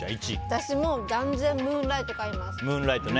私、断然ムーンライト買います。